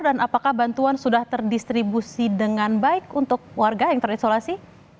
dan apakah bantuan sudah terdistribusi dengan baik untuk warga yang terisolasi